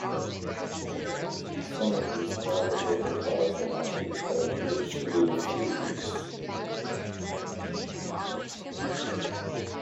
Some of these private label products are now produced by Richelieu Foods.